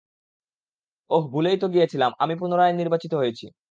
ওহ ভুলেই তো গিয়েছিলাম, আমি পুনরায় নির্বাচিত হয়েছি।